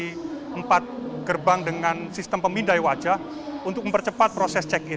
di empat gerbang dengan sistem pemindai wajah untuk mempercepat proses check in